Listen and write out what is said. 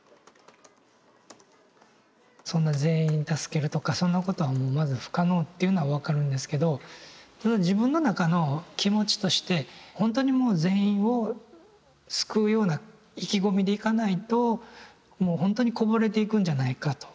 そんな全員助けるとかそんなことはまず不可能っていうのは分かるんですけどただ自分の中の気持ちとしてほんとにもう全員を救うような意気込みでいかないともうほんとにこぼれていくんじゃないかと。